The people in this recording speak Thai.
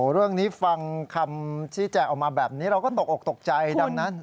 เรื่องนี้ฟังคำชี้แจงออกมาแบบนี้เราก็ตกออกตกใจดังนั้น